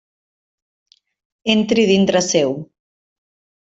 Entri dintre seu.